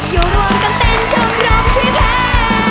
อยู่รวมกันเต้นชมรมแท้